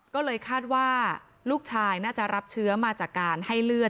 ก็เลยคาดว่าลูกชายน่าจะรับเชื้อมาจากการให้เลือด